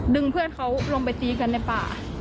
เพื่อนเขาลงไปตีกันในป่า